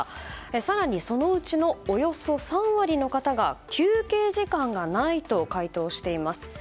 更に、そのうちのおよそ３割の方が休憩時間がないと回答しています。